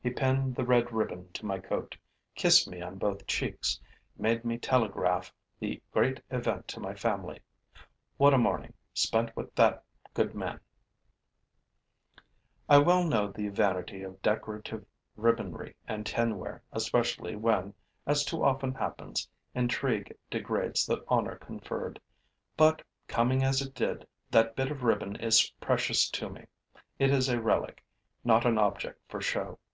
He pinned the red ribbon to my coat, kissed me on both cheeks, made me telegraph the great event to my family. What a morning, spent with that good man! I well know the vanity of decorative ribbonry and tinware, especially when, as too often happens, intrigue degrades the honor conferred; but, coming as it did, that bit of ribbon is precious to me. It is a relic, not an object for show.